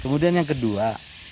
kemudian yang kedua